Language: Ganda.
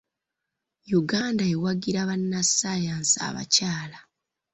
Uganda ewagira bannassaayansi abakyala.